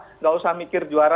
tidak usah mikir juara